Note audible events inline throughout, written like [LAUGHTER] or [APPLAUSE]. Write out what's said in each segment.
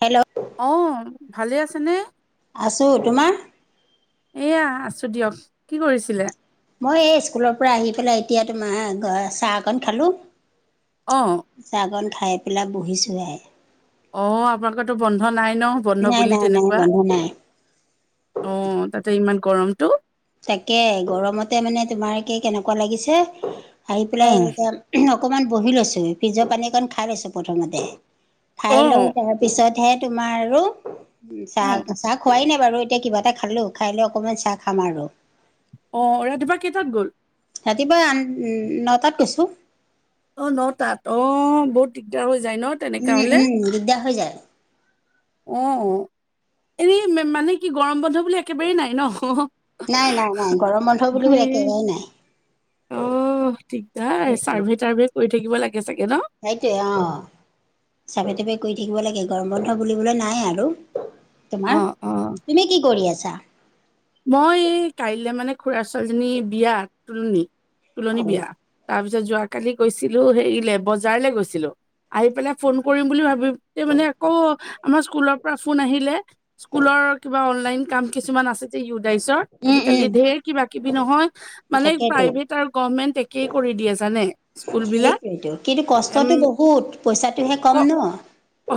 Hello. অ ভালে আছেনে? আছো তোমাৰ? এইয়া আছো দিয়ক কি কৰিছিলে? মই এই স্কুলৰ পৰা আহি পেলাই এতিয়া তোমাৰ গ চাহ অকণ খালো। অ চাহকণ খাই পেলাই বহিছোহে। অ, আপোনালোকৰতো বন্ধ নাই ন বন্ধ নাই বুলি নাই নাই তেনেকোৱা? বন্ধ নাই অ, তাতে ইমান গৰমতো। তাকে গৰমতে মানে তোমাৰ কি কেনেকোৱা লাগিছে আহি পেলাই অ', এতিয়া অকমান বহি লৈছোহি ফ্ৰীজৰ পানী অকন খাই লৈছো প্ৰথমতে খাই লৈ অ', তাৰ পিছতহে তোমাৰ আৰু চাহ অ'। চাহ খোৱাই নাই বাৰু এতিয়া কিবা এটা খালো খাই লৈ অকণমান চাহ খাম আৰু। অ ৰাতিপুৱা কেইটাত গ'ল? ৰাতিপুৱা আন নটাত গৈছো। অ নটাত অ বহুত দিগদাৰ হৈ যায় ন। তেনেকা উম, হ'লে? উম দিগদাৰ হৈ যায়। অ, এনেই মানে কি গৰম বন্ধ বুলি একেবাৰেই নাই ন অ হ? নাই নাই নাই গৰম বন্ধ বুলি কলে একেবাৰে নাই। অ, দিগদাৰ সেইটোৱে চাৰ্ভে-তাৰ্ভে কৰি থাকিব লাগে চাগে ন? সেইটোৱে অ চাৰ্ভে তাৰ্ভে কৰি থাকিব লাগে গৰম বন্ধ বুলিবলৈ নাই আৰু। তোমাৰ অ', অ'। তুমি কি কৰি আছা? মই এই কাইলে মানে খুৰা ছোৱালীজনী বিয়াত তুলনি অ তুলনি বিয়া তাৰ পিছত যোৱাকালি গৈছিলো হেৰিলে বজাৰলে গৈছিলো আহি পেলাই ফোন কৰিম বুলি ভাবি তে মানে আকৌ আমাৰ স্কুলৰ পৰা ফোন আহিলে। স্কুলৰ কিবা অনলাইন কাম কিছুমান আছে। ইউডাইচৰ উম আজিকালি উম ধেৰ কিবা কিবি নহয় মানে তাকেইতো প্ৰাইভেট আৰু গভমেন্ট এ কেই কৰি দিয়ে জানে স্কুল বিলাক সেইটোৱেইটো কিন্তু এম কষ্টটো বহুত পইচাটোহে কম ন?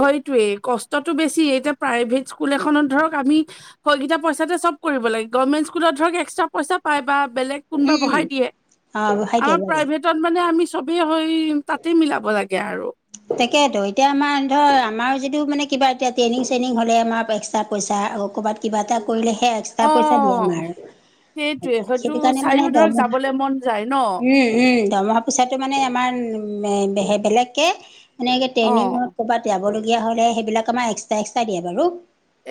হয়তোৱেই কষ্টটো বেছি এতিয়া প্ৰাইভেট স্কুল এখনত ধৰক আমি হয়কেইটা পইচাতে চব কৰিব লাগে গভৰ্ণমেণ্ট স্কুলত ধৰক এক্সট্ৰা পইচা পায় বা বেলেগ কোনোবা উম বঢ়াই দিয়ে অ হয় দিয়া আমাৰ হয় দিয়া প্ৰাইভেট ত মানে আমি চবেই হৈ তাতে মিলাব লাগে আৰু। তাকেতো এতিয়া আমাৰ ধৰ আমাৰ যিটো মানে কিবা এতিয়া ট্ৰেইনিং চেইনিং হলে আমাৰ এক্সট্ৰাত পইচা ক'ৰবাত কিবা এটা কৰিলে সেই এক্সট্ৰা অ পইচা দিয়ে আমাৰ। সেইটোৱে হয়তো সেইটো কাৰণে মানে চাইও ধৰক দৰমহা যাবলে মন যায় ন উম উম দৰমহা পইচাটো মানে আমাৰ বেলেগকে মানে অ ট্ৰেইনিঙত ক'ৰবাত যাবলগীয়া হ'লে সেইবিলাক আমাৰ এক্সট্ৰা এক্সট্ৰা দিয়ে বাৰু।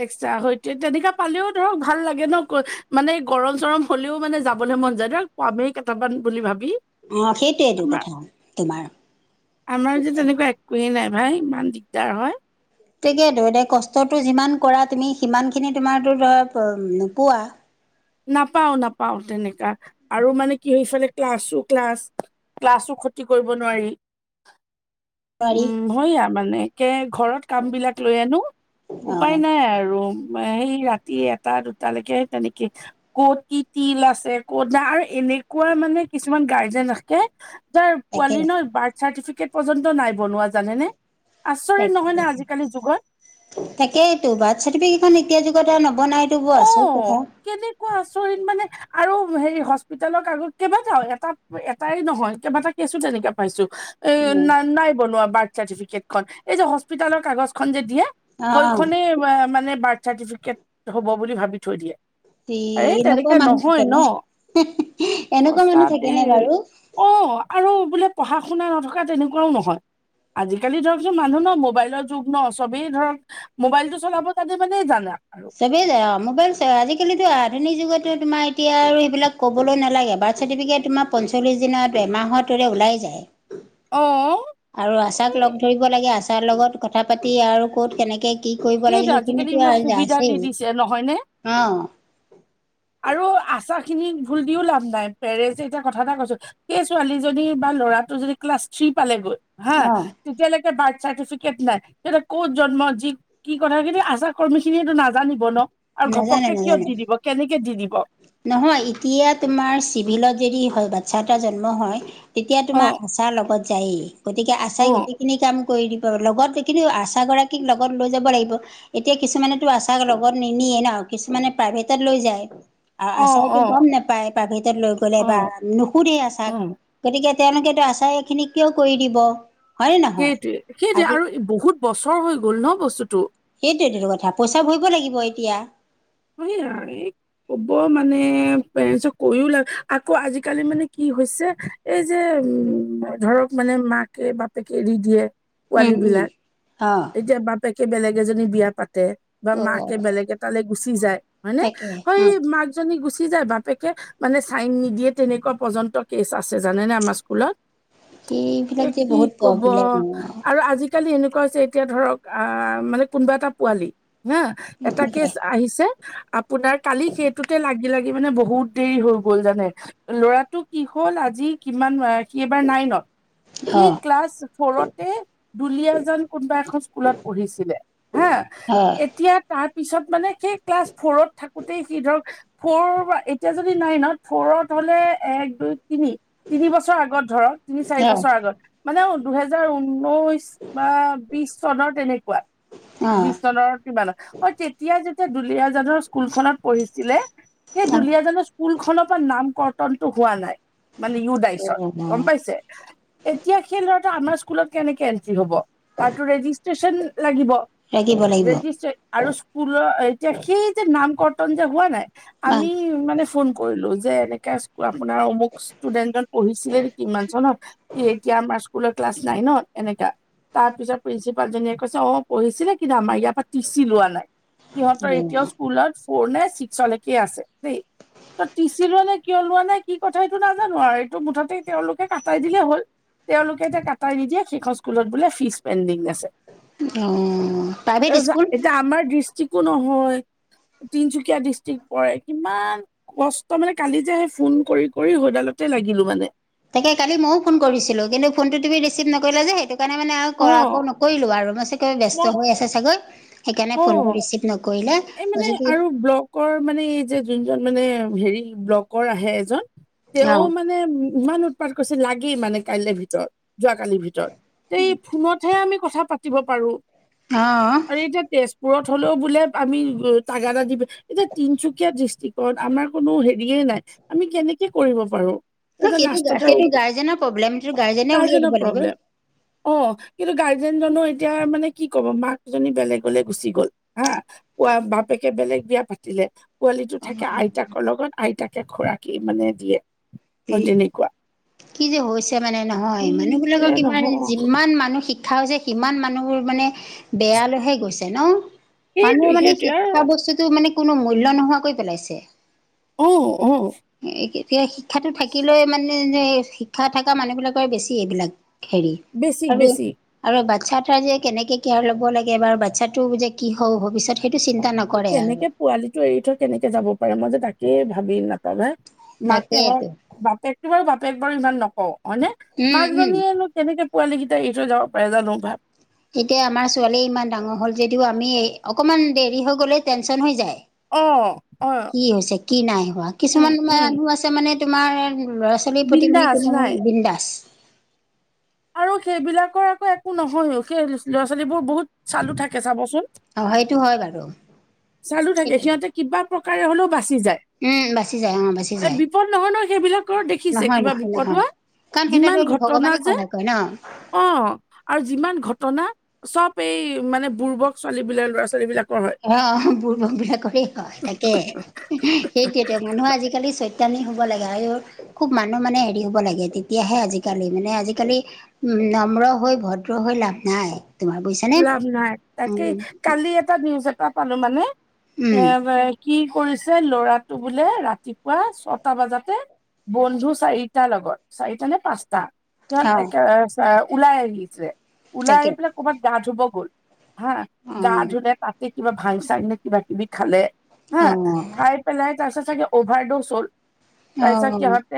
এক্সট্ৰা হয়তো তেনেকোৱা পালেও ধৰক ভাল লাগে ন মানে গৰম চৰম হ'লেও মানে যাবলৈ মন যায় ধৰক পামেই কেটামান বুলি ভাবি। অ, সেইটোৱেইটো আমাৰ কথা তোমাৰ সেইটোৱে একোৱে নাই ভাই ইমান দিগদাৰ হয়। তাকেতো এতিয়া কষ্টটো যিমান কৰা তুমি সিমানখিনি তোমাৰতো ধৰা নোপোৱা নাপাও নাপাও তেনেকা আৰু মানে কি হয় সেইফালে ক্লাছো ক্লাছ ক্লাছো ক্ষতি কৰিব নোৱাৰি। নোৱাৰি উম, হয় সেয়া মানে ঘৰত কাম বিলাক লৈ আনো উপায় অ নাই আৰু। সেই ৰাতি এটা দুটালৈকে তেনেকে কত কি তিল আছে কদা আৰু এনেকোৱা মানে কিছুমান গাৰ্জেন আহে তাৰ তাকে পোৱালী ন বাৰ্থ চাৰ্টিফিকেট পৰ্যন্ত নাই বনোৱা জানেনে? আচৰিত তাকে নহয় নে আজিকালি যুগত? তাকেইতো বাৰ্থ চাৰ্টিফিকেটখন এতিয়া যুগত নবনাই এইটো বৰ আচৰিত কথা। কেনেকোৱা আচৰিত মানে আৰু হেৰি হস্পিতালৰ আগত কেইবাটাও এটা এটাই নহয় কেইবাটা কেছো তেনেকে পাইছো। এ উম ন নাই বনোৱা বাৰ্থ চাৰ্টিফিকেট খন। এই যে হস্পিতালৰ কাগজখন যে দিয়ে'- অ অ সৈখনেই মানে বাৰ্থ চাৰ্টিফিকেট হ'ব বুলি ভাবি থৈ দিয়ে। এই এনেকুৱা তেনেকে মানুহ নহয় ন থাকেনে এনেকুৱা সঁচা মানুহ দেই থাকেনে বাৰু অ আৰু বোলে পঢ়া শুনা নথকা তেনেকোৱাও নহয় আজিকালি ধৰকচোন মানুহ ন মোবাইলৰ যুগ ন চবেই ধৰক মোবাইলটো চলাব জানে মানেই জানা আৰু চবেই যাই মোবাইল চাই আজি কালিতো আধুনিক যুগতো তোমাৰ এতিয়া আৰু সেইবিলাক ক'বলৈ নালাগে বাৰ্থ চাৰ্টিফিকেট - তোমাৰ পঞ্চল্লিছ দিনত এমাহত ধৰি লোৱা ওলাই যায়। অ। আৰু আচাক লগ ধৰিব লাগে আচাৰৰ লগত কথা পাতি আৰু ক'ত কেনেকে কি কৰিব লাগে সেইটো আজিকালি সেইখিনিতো ইমান আৰু যা সুবিধা দি আছেই দিছে নহয় নে? অ। আৰু আচাখিনি ভুল দিও লাভ নাই পেৰেণ্টেছে এতিয়া কথা এটা কৈছো সেই ছোৱালীজনী বা ল'ৰাটো যদি ক্লাছ থ্ৰী পালেগৈ হা অ তেতিয়ালৈকে বাৰ্থ চাৰ্টিফিকেট নাই তে ক'ত জন্ম যি কি কথাখিনি আচাকৰ্মী খিনিয়েতো নাজানিব ন আৰু নাজানে ঘপককে কিয় নাজানে দি দিব কেনেকে দি দিব। নহয় এতিয়া তোমাৰ চিভিলত যদি হয় বাচ্ছা এটা জন্ম হয়। তেতিয়া অ তোমাৰ আচাৰ লগত যায়েই গতিকে অ আচাৰ গোটেইখিনি কাম কৰি দিব লগত কিন্তু আচাগৰাকীক লগত লৈ যাব লাগিব এতিয়া কিছুমানেতো আচাক লগত নিনিয়ে ন কিছুমানে প্ৰাইভেটত লৈ যায় আৰু অ অ আচাইটোৱে গম নাপাই প্ৰাইভেটত লৈ গ'লে অ বা নুসুধেই অ আচাক গতিকে তেওঁলোকেতো আচাৰ এইখিনিক কিয় কৰি দিব হয়নে নহয় সেইটোৱে সেইটোৱে আজি আৰু বহুত বছৰ হৈ গ'ল ন বস্তুটো সেইটোৱেটো কথা পইচা ভৰিব লাগিব এতিয়া [UNINTELLIGIBLE] ক'ব মানে পেৰেণ্টছক কৈও লাগ আকৌ আজিকালি মানে কি হৈছে এই যে উম ধৰক মানে মাকে বাপেকে এৰি দিয়ে উম পোৱালী উম বিলাক অ এতিয়া বাপেকে বেলেগ এজনী বিয়া পাতে বা মাকে ত' বেলেগ এটালে গুচি যায় হয়নে তাকে সেই উম মাক জনী গুচি যায় বাপেকে মানে চাইন নিদিয়ে তেনেকোৱা পৰ্য্যন্ত কেচ আছে জানেনে আমাৰ স্কুলত এ সেইবিলাক যে কি বহুত কব প্ৰব্লেম আৰু আজি কালি এনেকোৱা হৈছে এতিয়া ধৰক আহ মানে কোনোবা এটা পোৱালি হা এটা সেনেকে কেচ আহিছে আপোনাৰ কালি সেইটোতে লাগি লাগি মানে বহুত দেৰি হৈ গ'ল জানে ল'ৰাটো কি হ'ল আজি কিমানবাৰ সি এইবাৰ নাইনত সি অ ক্লাছ ফৌৰতে দুলিয়াজান কোনোবা এখন স্কুলত পঢ়িছিলে হা হয় এতিয়া তাৰ পিছত। মানে সেই ক্লাছ ফ'ৰত থাকোঁতেই সি ধৰক ফৌৰ বা এতিয়া যদি নাইনত ফৌৰত হ'লে এক দুই তিনি তিনি বছৰ আগত ধৰ তিনি চাৰি হয় বছৰ আগত মানে দুহেজাৰ ঊনৈশ বা বিশ চনৰ তেনেকুৱা অ বিশ চনৰ কিমানত অ তেতিয়া যেতিয়া দুলিয়াজানৰ স্কুল খত পঢ়িছিলে সেই অ দুলিয়াজানৰ স্কুল খনৰ পৰা নাম কৰ্তনটো হোৱা নাই মানে ইউডাইচত গম পাইছে এতিয়া সেই ল'ৰাটোৱে আমাৰ স্কুলত কেনেকে এন্ট্ৰি হব তাৰতো ৰেজিষ্ট্ৰন লাগিব। লাগিব লাগিব ৰেডিষ্ট আৰু স্কুলৰ এতিয়া সেই যে নাম কৰ্তন যে হোৱা নাই বা অ আমি মানে ফোন কৰিলো যে এনেকে আপোনাৰ অমুক ষ্টুডেন্টজন পঢ়িছিলে নেকি ইমান চনত সি এতিয়া আমাৰ স্কুলত ক্লাছ নাইনত এনেকা তাৰ পিছত প্ৰিন্সিপাল জনীয়ে কৈছে অ পঢ়িছিলে কিন্তু আমাৰ ইয়াৰ পৰা টি চি লোৱা নাই সিহঁতৰ এতিয়াও স্কুলত ফ'ৰ নে ছিক্সলৈকে আছে দেই ত টিচি লোৱা নাই কিয় লোৱা নাই কি কথা এইটো নাজানো আৰু এইটো মুঠতে তেওঁলোকে কাটাই দিলে হ'ল তেওঁলোকে এতিয়া কাটাই নিদিয়ে সেইখন স্কুলত বোলে ফিজ পেণ্ডিং আছে অ প্ৰাইভেট যা- স্কুল। এতিয়া আমাৰ ডি ষ্টিকো নহয় তিনচুকীয়া ডিষ্টিক পৰে কিমান কষ্ট মানে কালি যে সে ফোন কৰি কৰি সডালতে লাগিলো মানে তাকে কালি ময়ো ফোন কৰিছিলো কিন্তু ফোনটো তুমি ৰিচিভ নৰিলা যে সেইটো কাৰণে মানে অ আও আকৌ নকৰিলো আৰু মই চাগে মই ব্যস্ত হৈ আছে চাগৈ সেইকাণে অ ফোনটো ৰিচিভ নকৰিলে মই যদি কৰ মানে এই যে যোনজন মানে হেৰি ব্ল আহে এজন অ তেওঁ মান মানে ইমান উৎপাত কৰিছে লাগেই মানে কাইলে ভিতৰত যোৱাকালিৰ ভিতৰত এই ফোনতহে আমি কথা পাতিব পাৰো অ আৰু এতিয়া তেজপুৰত হ'লেও বোলে আমি তাগাদা দিব এতিয়া তিনচুকীয়া ডিষ্ট্ৰিক কত আমাৰ কোনো হেৰিয়ে নাই আমি কেনেকে কৰিব পাৰো ন তাৰপিছত সেইটো লাষ্টত আৰু সেইটো গাৰ্জেনৰ প্ৰব্লেমটো গাৰ্জেনে উলিয়াই গাৰ্জেনৰ দিব লাগিব প্ৰব্লেম অ কিন্তু গাৰ্জেন জনো এতিয়া মানে কি ক'ব মাক জনী বেলেগ। লে গুচি গ'ল হা কোৱা বাপেকে বেলেগ বিয়া পাতিলে পোৱালিটো থাকে আইতাকৰ লগত আইতাকে খুড়াকি মানে দিয়ে হয় তেনেকুৱা কি যে হৈছে মানে নহয় কি মানুহ যে বিলাকৰ কিমান নহয় যিমান মানুহ শিক ক্ষা হৈছে সিমান মানুহবোৰ মানে বেয়ালৈহে গৈছে ন মানুহৰ সেইটোৱে মানে সেইটোৱে আৰু শিক্ষা বস্তুটো মানে কোনো মূল্য নোহোৱা কৰি পেলাইছে অ অ শিক্ষাটো থাকিলে মানে শিক্ষা থকা মানুহ বিলাকৰে বেছি এইবিলাক হেৰি বেছি আৰু বেছি আৰু বাচ্ছা এটা যে কেনেকে কেয়াৰ ল'ব লাগে বা বাচ্ছাটো যে কি হ'ব ভৱিষ্যত সেইটো চিন্তা নকৰে কেনেকে আৰু পোৱালিটো এৰি থৈ কেনেকে যাব পাৰে মই যে তাকেই ভাবি নাপাওঁ মাকে হওঁক তাকেইতো বাপেকটো বাৰু বাপেক বাৰু ইমান নকও হয়নে উম মাক উম জনীয়েনো কেনেকে পোৱালীকেইটা এৰি থৈ যাব পাৰে জানো ভাব তেতিয়া আমাৰ ছোৱালীয়ে ইমান ডাঙৰ হল যদিও আমি অকমান দেৰি হৈ গলে টেনচন হৈ যায় অ', অ', কি হৈছে কি নাই হোৱা উম, কিছুমান উম, মানুহ আছে মানে তোমাৰ ল'ৰা -ছোৱালীৰ প্ৰতি মানে বিন্দাচ কোনো নাই। বিন্দাস আৰু সেইবিলাকৰ আকৌ একো নহয়ো সেই ল'ৰা ছোৱালীবোৰ বহুত চালো থাকে চাবচোন, অ সেইটো হয় বাৰু চালো থাকে সিহঁতিক কিবা প্ৰকাৰে হ'লেও বাচি যায়। উম বাচি যায় অ বাচি এ যায় বিপদ নহয় নহয় সেইবিলাকৰ দেখিছে নহয় কিবা নহয় বিপদ নহয় হোৱা। যিমান ঘটনা যে কয় ন অ আৰু যিমান ঘটনা চব এই মানে বুৰ্বক ছোৱালী বিলাক ল'ৰা-ছোৱালী বিলাক অহ বুৰবক বিলাকৰে হয় তাকে। সেইটোয়েতো মানুহ আজিকালি চৈতানি হব লাগে আই ঔ খুব মানুহ মানে হেৰি হ'ব লাগে তেতিয়াহে আজিকালি মানে আজিকালি উম নম্ৰ হৈ ভদ্ৰ হৈ লাভ নাই তোমাৰ বুইছ লাভ নাই তাকেই কালি এটা নিউজ এটা পালো মানে এ উম বাই কি কৰিছে ল'ৰাটো বোলে ৰাতিপুৱা ছটা বাজাতে বন্ধু চাৰিটা লগত চাৰিটা নে পাঁচটা সিহঁত অ একবাৰে চা ওলাই আহিছে। ওলাই তাকে আহি পেলাই কৰবাত গা ধুব গ'ল। হা অ গা ধোলে তাতে কিবা ভাং চাঙনে কিবা কিবি খালে। হা অ খাই পেলাই তাপাছত চাগে অভাৰড'চ হ'ল তাইছত সিহঁতে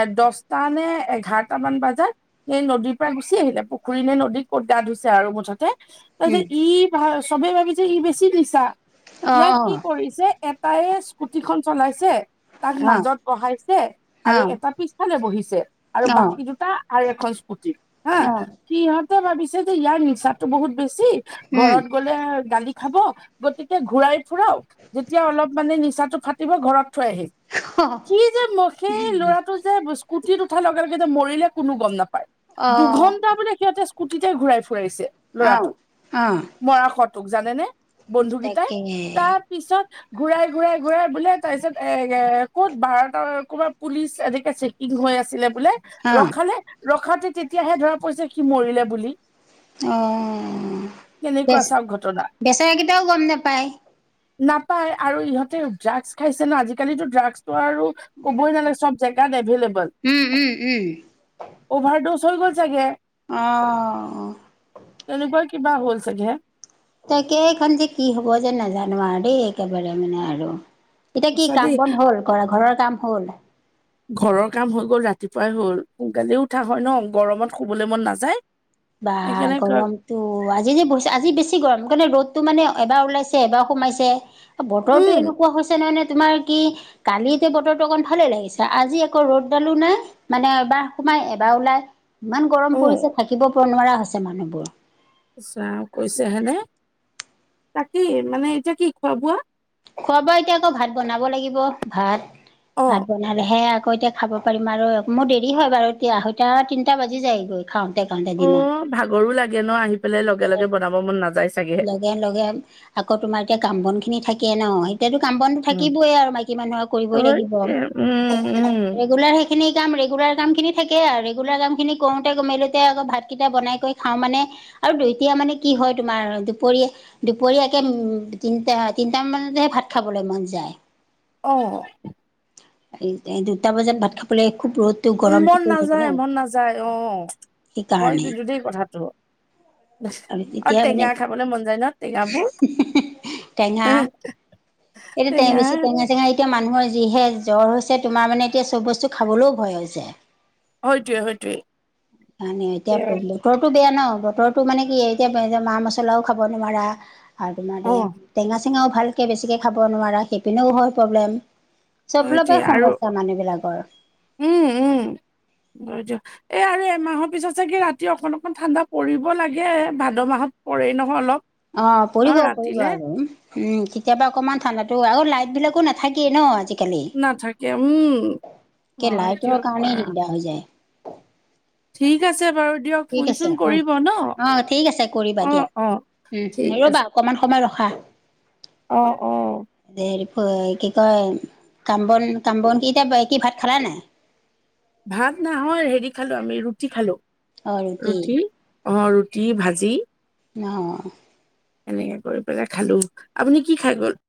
এ দহটা নে এঘাৰটা মান বজাত সেই নদীৰ পৰা গুচি আহিলে পুখুৰী নে নদীত ক'ত গা ধুইছ- তে আৰু মুঠতে তাছত ই ভা চবে ভাবিছে ই বেছি নিছা ইয়াক কি কৰিছে এটাই এ স্কুটিখন চলাইছে। তাক মাজত বঢ়াইছে আৰু এটা পিছফালে বহিছে। আৰু বাকী দুটা আৰু এখন স্কুটি হা সিহঁতে ভাবিছে। ইয়াৰ নিচাটো বহুত বেছি ঘৰত গ'ল গালি খাব গতিকে ঘূৰাই ফুৰাও। যেতিয়া অলপ মানে নিচাটো ফাটিব ঘৰত থৈ আহিম সি যে সেই ল'ৰাটো যে স্কুটিত উঠা লগে লগে যে মৰিলে কোনো গম নাপায় দুঘন্টা বোলে সিহঁতে স্কুটীতে ঘূৰাই ফুৰাইছে ল'ৰাটোক মৰা হৰটোক জানেনে। বন্ধুকেইটাই তাকে তা পিছত ঘূৰাই ঘূৰাই ঘূৰাই বোলে তাৰপিছত এ ক'ত বাৰতৰ ক'বাত পুলিচ এধিকে চেক- ইং হৈ আছিলে বোলে অ', ৰখালে ৰখাতে তেতিয়াহে ধৰা পৰিছে সি মৰিলে বুলি অ কেনেকুৱা বেচ চাওক ঘটনা বেচেৰাকেইটাও গম নাপায়। নাপায় আৰু ইহঁতে ড্ৰাগছ খাইছে ন আজিকালিতো ড্ৰাগছটো আৰু ক'বই নালাগে চব জেগাত এভেলেবল। উম উম উম অভাৰ ড'জ হৈ গ'ল চাগে। অ। তেনেকুৱা কিবা হ'ল চাগে। তাকে এইখন যে কি হ'ব যে নাজানো আৰ দেই একেবাৰে মানে আৰু। এতিয়া কি সঁচা কাম দেই বন্ধ হ'ল কৰা ঘৰৰ কাম হ'ল। ঘৰৰ কাম হৈ গ'ল ৰাতিপুৱাই হল সোনকালেও উঠা হয় ন গৰমত শুবলৈ মন নাযায়। বা সেইকাৰণে গৰম ত আজি যে আজি বেছি গৰম কাৰণে ৰ'দটো মানে এবাৰ ওলাইছে এবাৰ সোমাইছে? বতৰটো উম এনেকুৱা হৈছে ন মানে তোমাৰ কি কালিতে বতৰটো অকণ ভালেই লাগিছে আজি আকৌ ৰ'দডালো নাই মানে এবাৰ সোমাই এবাৰ ওলাই। ইমান গৰম অ পৰিছে থাকিব নোৱাৰা হৈছে মানুহবোৰ। ইছ ৰাম কৈছে হেনে তাক কি মানে এতিয়া কি খোৱা বোৱা? খোৱা বোৱা এতিয়া আকৌ ভাত বনাব লাগিব ভাত অ ভাত। ইনহেলেহে আকৌ এতিয়া খাব পাৰিম আৰু মোৰ দেৰি হয় বাৰু এতিয়া আসৈটা তিনটা বাজি যায়গৈ। খাওঁতে খাওঁতে। অ দিনত ভাগৰো লাগে ন আহি পেলাই লগে লগে বনাব মন নাযাইছ- লগে লগে আকৌ তোমাৰ এতিয়া কাম বন খিনি থাকে ন। এতিয়াতো কাম বন উম থাকিবই আৰু মাইকী মানুহৰ অ কৰিবই লাগিব উম উম ৰেগুলাৰ সেই খিনি কাম ৰেগুলাৰ কামখিনি থাকে আৰু ৰেগুলাৰ কামখিনি কৰোতে কৰোতে মেলোতে আকৌ ভাতকেইটা বনাই কৰি খাও মানে আৰু দুইতিয়া মানে কি হয় তোমাৰ দুপৰীয়া দুপৰীয়াকে উ তিনিটা তিনিটা মানতহে ভাত খাবলৈ মন যায়। অ এই দুটা বজাত ভাত খাবলে খুব ৰ'দ উ মন নাযায় মন নাযায় অ হয় সেইকাৰণে কিন্তু দেই কথাটো। আৰু তেতিয়া মানে টেঙা খাবলে মন যায় ন টেঙাবোৰ হে এই টেঙেচি টেঙাই টেঙাই এতিয়া মানুহৰ যিহে জ্বৰ হৈছে তোমাৰ মানে এতিয়া চব বস্তু খাবলৈও ভয় হৈছে। হয়টোৱে হয়টোৱে সেকানে এতিয়া পেহলে বতৰটো বেয়া ন বতৰটো মানে কি এতিয়া মা মছলাও খাব নোৱাৰা। আৰু তোমাৰ অ এইয়া টেঙা চেঙাও ভালকে বেছিকৈ খাব নোৱাৰা সেইপিনেও হয় প্ৰব্লেম। চব ফালৰ সেইটোৱে পৰাই আৰু সমস্যা মানুহ বিলাকৰ। উম উম বুজো এ আৰু এমাহৰ পিছত চাগে ৰাতি অকণ অকণ ঠাণ্ডা পৰিব লাগে এ ভাদ মাহত পৰেই নহয় অলপ। অ পৰিব ন' পৰিব ৰাতিলে আৰু। উম কেতিয়াবা অকণমান ঠাণ্ডাতো আৰু লাইট বিলাকো নাথাকে ন আজি কালি নাথাকে উম, একে হয় লাইটৰ দিয়ক কাৰণেই বাৰু। দিগদা হৈ যায়। ঠিক আছে বাৰু দিয়ক ঠিক ফোন আছে চোন অ' কৰিব ন অ' ঠিক আছে কৰিবা অ দিয়া অ। উম ঠিক ৰ'বা আছে। অকমান সময় ৰখা। অ অ। হ কি কয় কাম বন কাম বন কি এতিয়া কি ভাত খালা নাই? ভাত নহয় হেৰি খালো আমি ৰুটি খালো ৰুটি। অ ৰুটি ভাজি নহ এনেকে কৰি পেলাই খালো আপুনি কি খাই গল